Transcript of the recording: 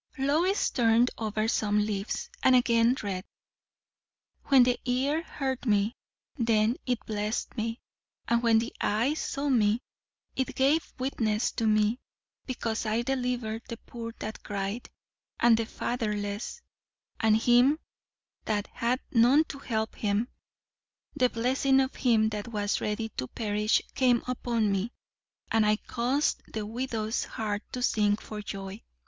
Lois turned over some leaves, and again read "'When the ear heard me, then it blessed me; and when the eye saw me, it gave witness to me: because I delivered the poor that cried, and the fatherless, and him that had none to help him. The blessing of him that was ready to perish came upon me: and I caused the widow's heart to sing for joy....